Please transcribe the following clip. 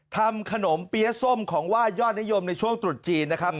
ทำขนมเปี๊ยะส้มของไหว้ยอดนิยมในช่วงตรุษจีนนะครับ